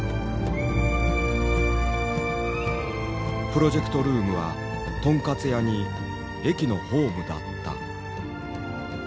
プロジェクトルームはとんかつ屋に駅のホームだった。